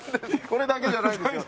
これだけじゃないですよ。